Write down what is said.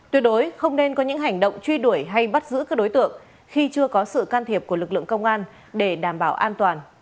tuyệt đối không nên có những hành động truy đuổi hay bắt giữ các đối tượng khi chưa có sự can thiệp của lực lượng công an để đảm bảo an toàn